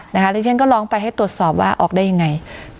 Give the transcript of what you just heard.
แล้วฉันก็ร้องไปให้ตรวจสอบว่าออกได้ยังไง